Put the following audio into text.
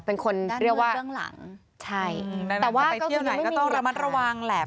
เป็นคนเรียกว่าใช่แต่ว่าก็จะยังไม่มีเหตุการณ์ไปเที่ยวไหนก็ต้องระมัดระวังแหละ